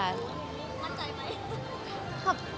มั่นใจไหม